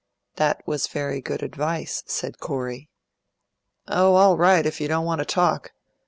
"That was very good advice," said Corey. "Oh, all right, if you don't want to talk.